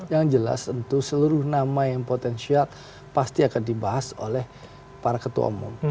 yang jelas tentu seluruh nama yang potensial pasti akan dibahas oleh para ketua umum